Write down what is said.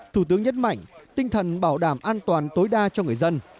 thủ tướng nhất mạnh tinh thần bảo đảm an toàn tối đa cho người dân